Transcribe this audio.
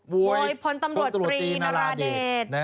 โวยพลตรวจตรีนาราเดช